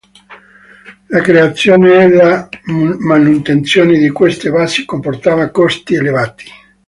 La creazione e la manutenzione di queste basi comportava costi elevati.